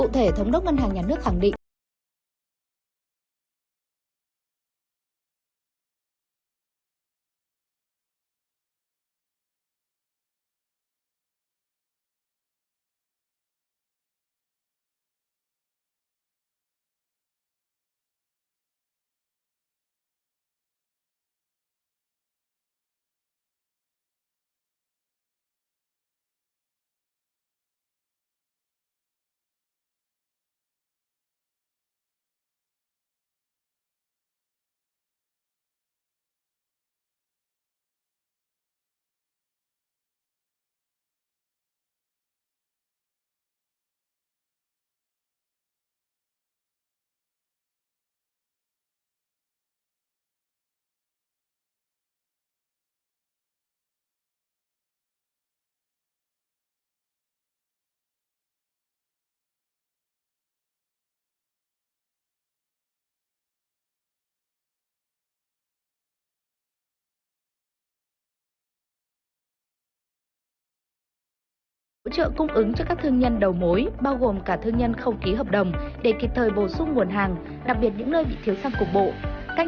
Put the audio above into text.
thông đốc ngân hàng nhà nước cho biết sẽ sẵn sàng hỗ trợ thanh khoản